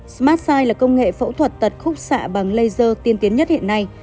smartside là công nghệ phẫu thuật tật khúc xạ bằng laser tiên tiến nhất hiện nay